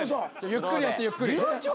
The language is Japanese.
ゆっくりやってゆっくり。